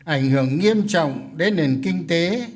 ảnh hưởng nghiêm trọng đến nền kinh tế